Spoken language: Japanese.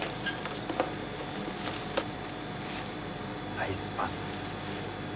アイスパンツ。